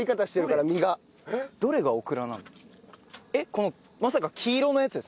このまさか黄色のやつですか？